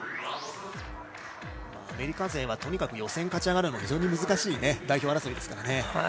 アメリカ勢はとにかく予選を勝ち上がるのが非常に難しい代表争いですからね。